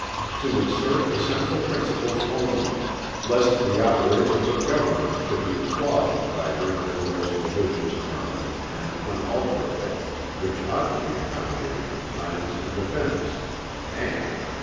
To insert essential principles only, lest the operations of government should be clogged by rendering those provisions permanent and unalterable which ought to be accommodated to times and events, and "2.